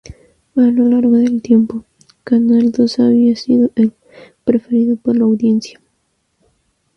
A lo largo del tiempo, Canal Dos había sido el preferido por la audiencia.